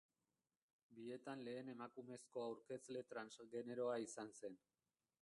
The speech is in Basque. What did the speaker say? Bietan lehen emakumezko aurkezle transgeneroa izan zen.